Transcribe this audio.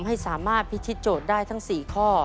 ให้สามารถพิธีโจทย์ได้ทั้ง๔ข้อ